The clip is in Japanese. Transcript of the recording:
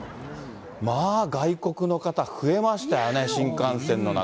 まあ、外国の方増えましたよね、新幹線の中。